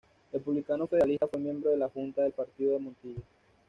Republicano federalista, fue miembro de la junta del partido en Montilla.